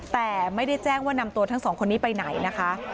แต่ไม่ได้แจ้งว่านำตัวทั้งสองคนนี้ไปไหนนะคะ